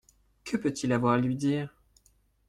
Que peut-il avoir à lui dire ?